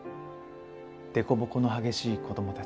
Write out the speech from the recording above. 凸凹の激しい子どもたち。